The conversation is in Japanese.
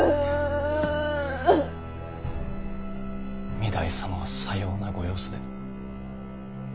御台様はさようなご様子で。